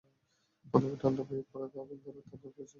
প্রথমে ঠাণ্ডা বায়ু ও পরে আগুন দ্বারা তাদেরকে শাস্তি দেওয়া হয়েছিল।